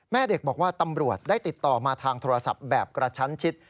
แม่เด็กบอกว่าตำรวจได้ติดต่อมาทางโทรศัพท์แบบกระชั้นชิด